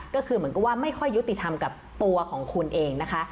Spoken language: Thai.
ก็คือเหมือนกับว่าไม่ค่อยยุติธรรมกับตัวของคุณเองนะคะ